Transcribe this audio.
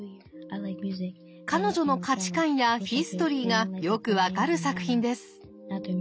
彼女の価値観やヒストリーがよく分かる作品です。